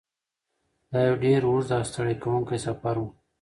دا یو ډېر اوږد او ستړی کوونکی سفر و.